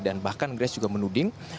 dan bahkan grace juga menuding